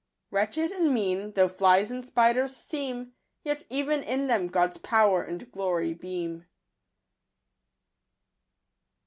Wretched and mean though flies and spiders seem, Yet even in them God's power and glory beam.